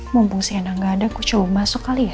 mumpung sienna gak ada aku coba masuk kali ya